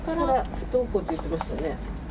不登校って言ってましたね。